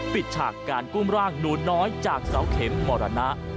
ปิดฉากการกลุ่มร่างหนูน้อยจากสาวเข็มมรณะ